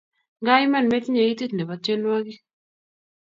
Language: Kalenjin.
Nga Iman metinye itit nebo tyenwogik